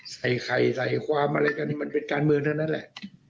ใส่ใครใส่ความมันเป็นการเมืองเท่านั้นแหละ